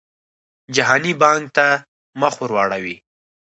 جهاني بانک ته مخ ورواړوي.